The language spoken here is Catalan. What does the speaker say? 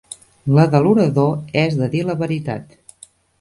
La de l'orador és de dir la veritat.